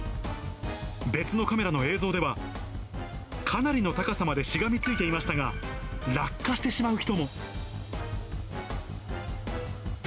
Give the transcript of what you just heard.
別のカメラの映像では、かなりの高さまでしがみついていましたが、落下してしまう人も。